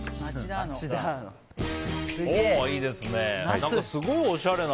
いいですね。